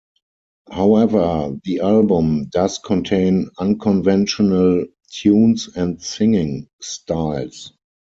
However, the album does contain unconventional tunes and singing styles.